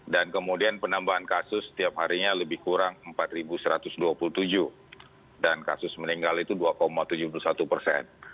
dan kemudian penambahan kasus setiap harinya lebih kurang empat satu ratus dua puluh tujuh dan kasus meninggal itu dua tujuh puluh satu persen